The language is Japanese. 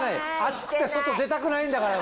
暑くて外出たくないんだから。